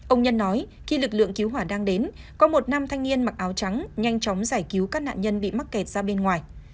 ông nhân nói khi lực lượng cứu hỏa đang đến có một nam thanh niên mặc áo trắng nhanh chóng giải cứu các nạn nhân bị mắc kẹt ra bên ngoài